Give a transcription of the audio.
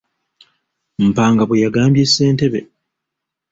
Mpanga bwe yagambye sentebbe.